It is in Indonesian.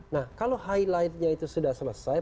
nah kalau highlightnya itu sudah selesai